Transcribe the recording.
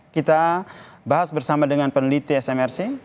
kita bahas bersama dengan peneliti smrc